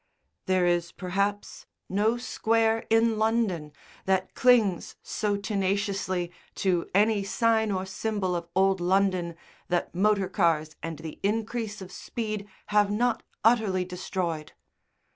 There is, perhaps, no square in London that clings so tenaciously to any sign or symbol of old London that motor cars and the increase of speed have not utterly destroyed.